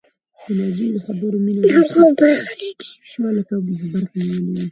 د ناجيې په خبرو مينه داسې شوه لکه برق نيولې وي